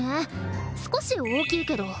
少し大きいけど。